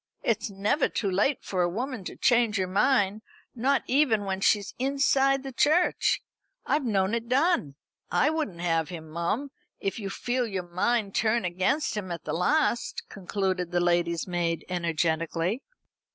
It's never too late for a woman to change her mind, not even when she's inside the church. I've known it done. I wouldn't have him, mum, if you feel your mind turn against him at the last," concluded the lady's maid energetically.